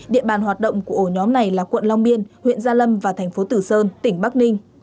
địa bàn hoạt động của ổ nhóm này là quận long biên huyện gia lâm và thành phố tử sơn tỉnh bắc ninh